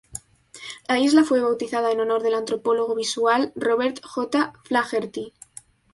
La isla fue bautizada en honor del antropólogo visual Robert J. Flaherty.